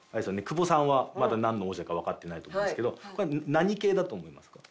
久保さんはまだなんの王者かわかってないと思うんですけどこれは何系だと思いますか？